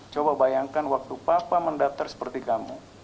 coba bayangkan waktu papa mendaftar seperti kamu